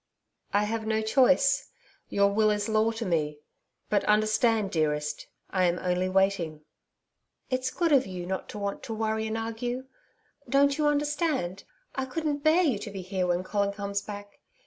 'I have no choice. Your will is law to me. But understand, dearest I am only waiting.' 'It's good of you not to want to worry and argue.... Don't you understand? I couldn't bear you to be here when Colin comes back.